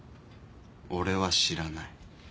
俺は知らない。